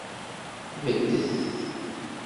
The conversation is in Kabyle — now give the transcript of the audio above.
Beddet.